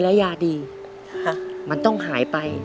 แล้วยาดีมันต้องหายไป